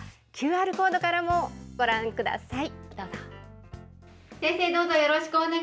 ＱＲコードからもご覧ください。